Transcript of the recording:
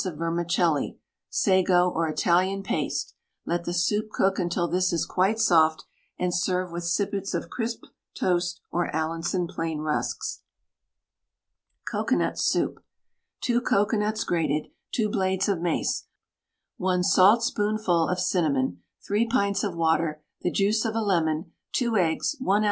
of vermicelli, sago, or Italian paste; let the soup cook until this is quite soft, and serve with sippets of crisp toast, or Allinson plain rusks. COCOANUT SOUP. 2 cocoanuts grated, 2 blades of mace, 1 saltspoonful of cinnamon, 3 pints of water, the juice of a lemon, 2 eggs, 1 oz.